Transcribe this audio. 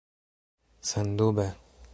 Sendube?